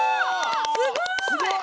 すごい！